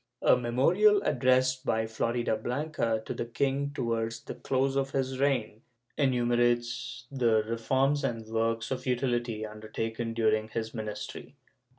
A memorial addressed by Floridablanca to the king, towards the close of his reign, enumerates the reforms and works of utility undertaken during his ministry.